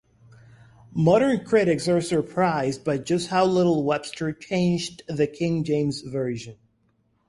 Modern critics are surprised by just how little Webster changed the King James Version.